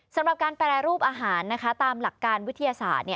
สำหรับการแปรรูปอาหารตามหลักการวิทยาศาสตร์